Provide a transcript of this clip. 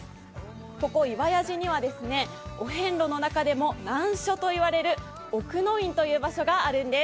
ここ岩屋寺にはお遍路のなかでも難所と言われる奥の院という場所があるんです。